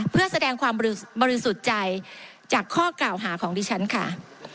เพื่อแสดงความบริสุทธิ์ใจจากข้อกล่าวหาของดิฉันค่ะ